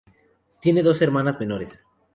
Tiene dos hermanas menores.